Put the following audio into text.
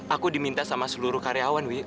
aku diminta sama seluruh karyawan wi